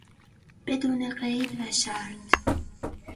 بدون قید و شرط